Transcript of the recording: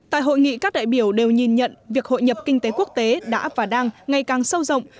tại hội nghị các đại biểu đều nhìn nhận việc hội nhập kinh tế quốc tế đã và đang ngày càng sâu rộng